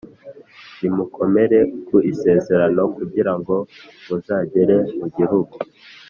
Nimukomere ku isezerano kugira ngo muzagere mu gihugu